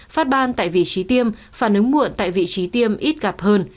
phát ban tại vị trí tiêm phản ứng muộn tại vị trí tiêm ít gặp hơn